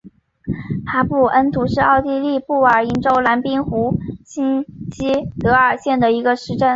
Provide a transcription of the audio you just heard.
哈布图恩是奥地利布尔根兰州滨湖新锡德尔县的一个市镇。